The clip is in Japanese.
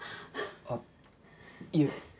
あっいえ